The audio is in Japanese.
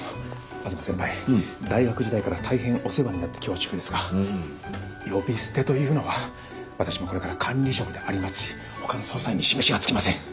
大学時代から大変お世話になって恐縮ですが呼び捨てというのは私もこれから管理職でありますし他の捜査員に示しがつきません！